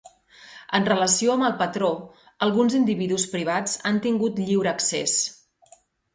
En relació amb el patró, alguns individus privats han tingut lliure accés.